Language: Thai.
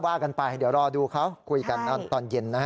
ว่ากันไปเดี๋ยวรอดูเขาคุยกันตอนเย็นนะฮะ